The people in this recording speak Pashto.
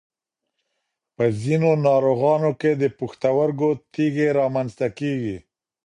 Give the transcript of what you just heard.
په ځینو ناروغانو کې د پښتورګو تېږې رامنځته کېږي.